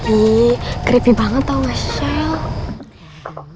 ih creepy banget tau gak shell